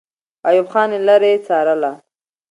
ایوب خان له لرې څارله.